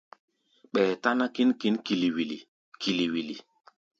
Ɓɛɛ táná kín kili-wili kili-wili.